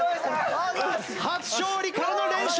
初勝利からの連勝！